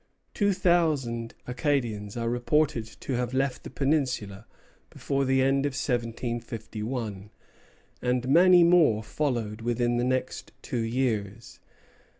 Two thousand Acadians are reported to have left the peninsula before the end of 1751, and many more followed within the next two years.